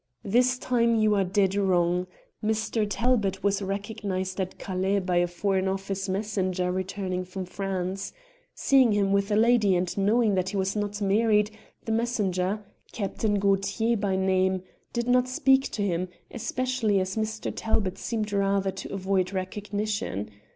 "This time you are dead wrong. Mr. Talbot was recognized at Calais by a Foreign Office messenger returning from France. Seeing him with a lady, and knowing that he was not married, the messenger Captain Gaultier by name did not speak to him, especially as Mr. Talbot seemed rather to avoid recognition.